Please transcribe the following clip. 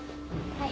はい。